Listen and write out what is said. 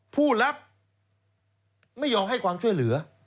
ผู้รับไม่ยอมให้ความช่วยเหลือ